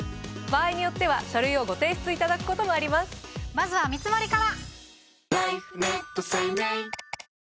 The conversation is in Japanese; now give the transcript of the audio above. まずは見積りから！